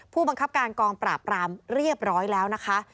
ผู้บังคับการกองปราบรามเรียบร้อยแล้วนะคะ